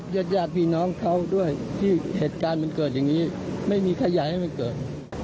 ญาติญาติพี่น้องเขาด้วยที่เหตุการณ์มันเกิดอย่างนี้ไม่มีใครอยากให้มันเกิด